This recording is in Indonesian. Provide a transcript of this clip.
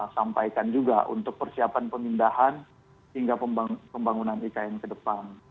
sampaikan juga untuk persiapan pemindahan hingga pembangunan ikn ke depan